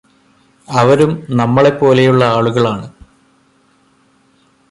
അവരും നമ്മളെപോലെയുള്ള ആളുകളാണ്